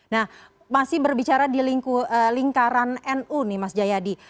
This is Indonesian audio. nah masih berbicara di lingkaran nu nih mas jayadi